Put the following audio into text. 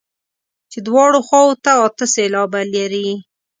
چې دواړو خواوو ته اته سېلابه لري.